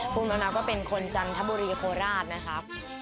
ภูมิเรานะก็เป็นคนจันทบุรีโคราชนะคะ